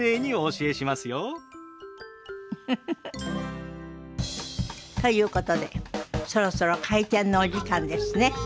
ウフフフ。ということでそろそろ開店のお時間ですね。